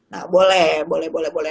nah boleh boleh boleh boleh